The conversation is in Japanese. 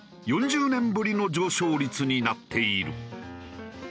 ４０年ぶりの上昇率になっている。